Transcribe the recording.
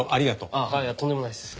あっいやとんでもないです。